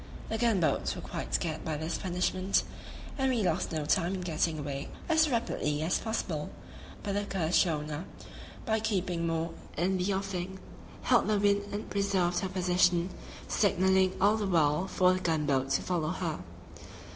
The gun boats were quite scared by this punishment, and we lost no time in getting away as rapidly as possible; but the accursed schooner, by keeping more in the offing, held the wind and preserved her position, signaling all the while for the gun boats to follow her.